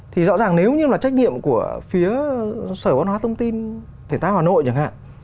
thì rõ ràng nếu như là trách nhiệm của phía sở văn hóa thông tin thể thao hà nội chẳng hạn